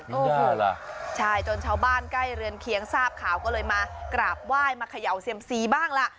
ล่ะใช่จนชาวบ้านใกล้เรือนเคียงทราบข่าวก็เลยมากราบไหว้มาเขย่าเซียมซีบ้างล่ะ